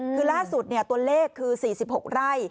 คือล่าสุดตัวเลขคือ๔๖ไร่